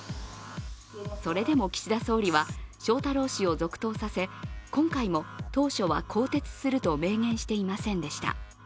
それでも岸田総理は翔太郎氏を続投させ、今回も当初は更迭すると明言していませんでした。